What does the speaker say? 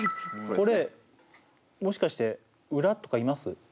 これもしかしてウラとかいます？